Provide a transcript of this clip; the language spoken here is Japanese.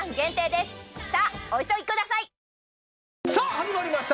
始まりました